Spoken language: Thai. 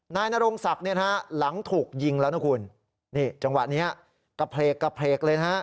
นายนรงศักดิ์หลังถูกยิงแล้วนะคุณจังหวะนี้กระเพก